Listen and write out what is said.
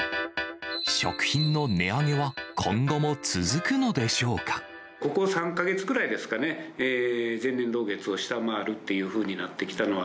食品の値上げは今後も続くのここ３か月くらいですかね、前年同月を下回るっていうふうになってきたのは。